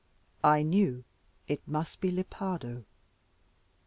I knew it must be Lepardo.